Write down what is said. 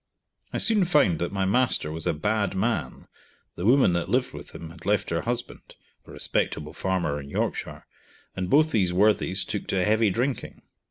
I soon found that my master was a bad man, the woman that lived with him had left her husband (a respectable farmer in Yorkshire), and both these worthies took to heavy drinking.